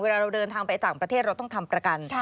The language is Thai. เราเดินทางไปต่างประเทศเราต้องทำประกัน